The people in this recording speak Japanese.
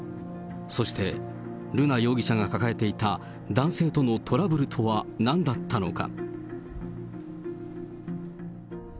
そして、瑠奈容疑者が抱えていた男性とのトラブルとはなんだったのか。